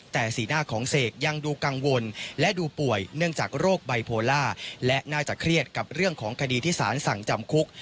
แต่สีหน้าของเสกยังดูกังวลและดูป่วยเนื่องจากโรคไบโพล่าและน่าจะเครียดกับเรื่องของคดีที่สารสั่งจำคุก